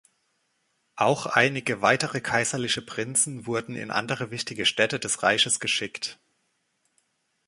Auch einige weitere kaiserliche Prinzen wurden in andere wichtige Städte des Reiches geschickt.